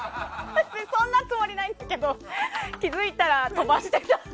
別にそんなつもりないですけど気づいたら飛ばしてた。